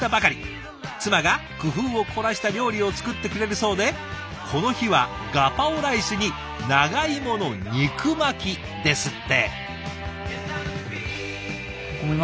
妻が工夫を凝らした料理を作ってくれるそうでこの日はガパオライスに長芋の肉巻きですって。